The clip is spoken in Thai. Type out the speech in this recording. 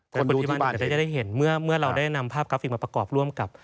คนที่บ้านอาจจะได้เห็นเมื่อเราได้นำภาพกราฟิกมาประกอบร่วมกับ